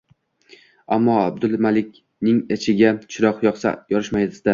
Ammo Abdumalikning ichiga chiroq yoqsa yorishmasdi